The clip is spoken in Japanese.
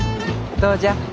どうじゃ？